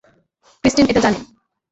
Christine এটা জানে?